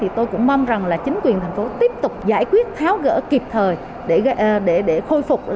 tôi cũng mong rằng là chính quyền thành phố tiếp tục giải quyết tháo gỡ kịp thời để khôi phục